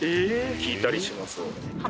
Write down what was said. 聞いたりします。